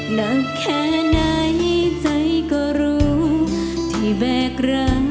หนักแค่ไหนใจก็รู้ที่แบกรัก